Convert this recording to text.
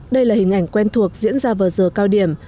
đây là hình ảnh quen thuộc diễn ra vào giờ cao điểm